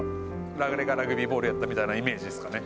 あれがラグビーボールやったみたいなイメージですかね。